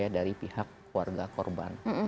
dari pihak keluarga korban